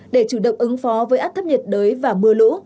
để chủ động ứng phó với áp thấp nhiệt đới và mưa lũ